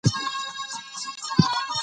که قلم نه وای نو علم به نه وای خپور شوی.